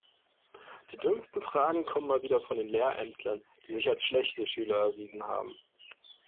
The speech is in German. Die dümmsten Fragen kommen mal wieder von den Lehrämtlern, die sich als schlechte Schüler erwiesen haben.